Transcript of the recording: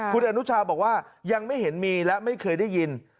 คุณอนุชาบอกว่ายังไม่เห็นมีและไม่เคยได้ยิน